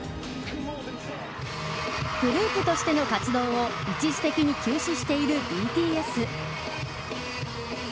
グループとしての活動を一時的に休止しているＢＴＳ。